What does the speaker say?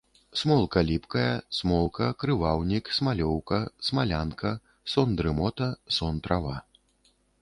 Смолка ліпкая, смолка, крываўнік, смалёўка, смалянка, сон-дрымота, сон-трава.